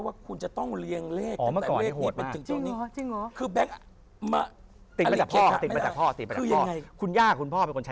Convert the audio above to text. เรื่องแบงค์นะฮะ